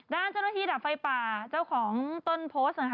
ด้านเจ้าหน้าที่ดับไฟป่าเจ้าของต้นโพสต์นะคะ